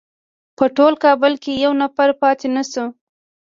په ټول کابل کې یو نفر پاتې نه شو.